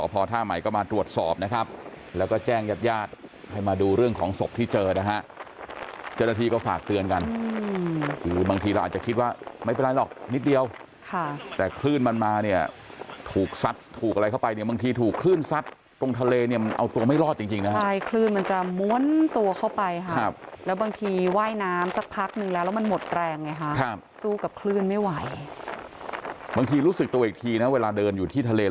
ปากเตือนกันบางทีเราอาจจะคิดว่าไม่เป็นไรหรอกนิดเดียวแต่คลื่นมันมาเนี่ยถูกซัดถูกอะไรเข้าไปเนี่ยบางทีถูกคลื่นซัดตรงทะเลเนี่ยมันเอาตัวไม่รอดจริงนะครับคลื่นมันจะม้วนตัวเข้าไปครับแล้วบางทีว่ายน้ำสักพักหนึ่งแล้วมันหมดแรงไงครับสู้กับคลื่นไม่ไหวบางทีรู้สึกตัวอีกทีนะเวลาเดินอยู่ท